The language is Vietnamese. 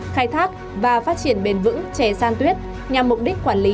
khai thác và phát triển bền vững trẻ san tuyết